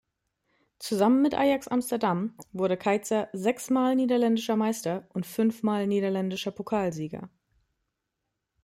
Zusammen mit Ajax Amsterdam wurde Keizer sechsmal niederländischer Meister und fünfmal niederländischer Pokalsieger.